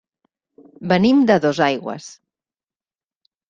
Venim de Dosaigües.